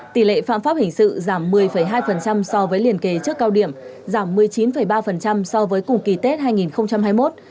tỷ lệ phạm pháp hình sự giảm một mươi hai so với liên kỳ trước cao điểm giảm một mươi chín ba so với cùng kỳ tết hai nghìn hai mươi một